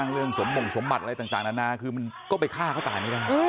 เอ้าฆ่าคนตายอาห้ามฆ่าคนตาย